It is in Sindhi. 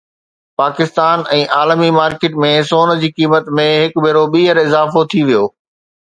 پاڪستان ۽ عالمي مارڪيٽ ۾ سون جي قيمت ۾ هڪ ڀيرو ٻيهر اضافو ٿي ويو